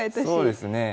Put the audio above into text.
そうですね。